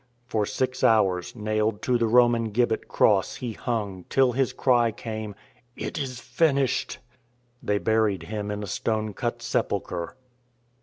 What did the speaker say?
For six hours, nailed to the Roman gibbet cross, He hung, till His cry came, " It is finished." They buried Him in a stone cut sepulchre.